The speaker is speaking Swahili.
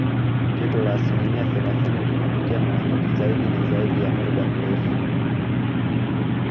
Joto la asilimia thelathini linatokea mara nyingi zaidi na zaidi ya muda mrefu